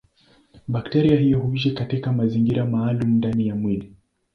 Bakteria hiyo huishi katika mazingira maalumu ndani ya mwili.